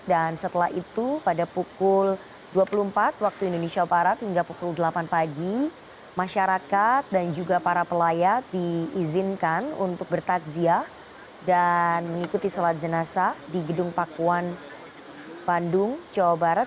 dan setelah itu pada pukul dua puluh empat waktu indonesia barat hingga pukul delapan pagi masyarakat dan juga para pelayat diizinkan untuk bertaziah dan mengikuti sholat jenazah di gedung pakuan bandung jawa barat